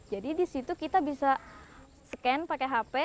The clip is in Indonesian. jadi disitu kita bisa scan pakai hp